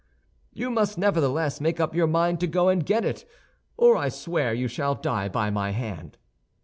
"You must nevertheless make up your mind to go and get it, or I swear you shall die by my hand."